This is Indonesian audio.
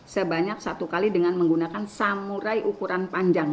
sebanyak satu kali dengan menggunakan samurai ukuran panjang